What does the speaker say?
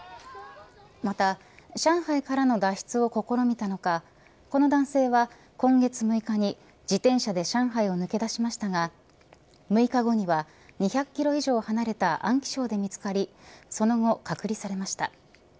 また、上海からの脱出を試みたのかこの男性は今月６日に自転車で上海を抜け出しましたが６日後には２００キロ以上離れた安徽省で見つかりその後、隔離されました。